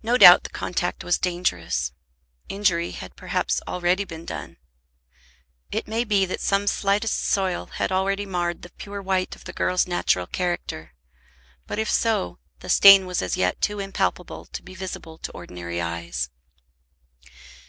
No doubt the contact was dangerous. Injury had perhaps already been done. It may be that some slightest soil had already marred the pure white of the girl's natural character. But if so, the stain was as yet too impalpable to be visible to ordinary eyes.